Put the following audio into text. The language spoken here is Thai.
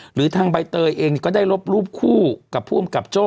หรือทางใบเตยเองก็ได้ลบรูปคู่กับผู้อำกับโจ้